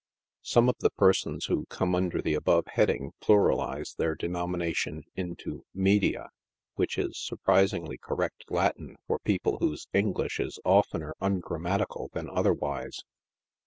Some of the persons who come under the above heading pluralize their denomination into media — which is surprisingly correct Latin for people whose English is oftener ungrammatical than otherwise.